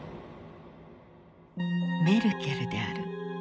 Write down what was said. メルケルである。